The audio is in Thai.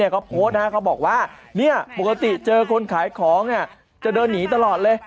เขาโพสต์เขาบอกว่าปกติเจอคนขายของจะเดินหนีตลอดเลย